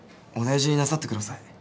お大事になさってください。